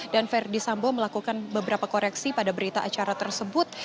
dan ferdi sambo melakukan beberapa koreksi pada berita acara tersebut